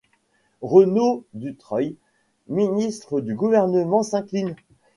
Renaud Dutreil, ministre du Gouvernement, s'incline.